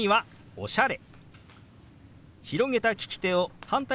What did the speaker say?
「おしゃれ」。